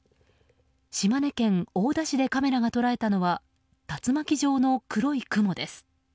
島根県大田市でカメラが捉えたのは竜巻状の黒い雲です。